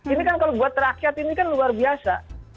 ini kan kalau buat rakyat ini kan luar biasa